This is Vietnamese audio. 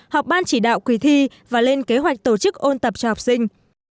học ban chỉ đạo kỳ thi và lên kế hoạch tổ chức ôn tập cho học sinh